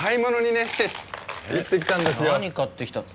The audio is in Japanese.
何買ってきたの？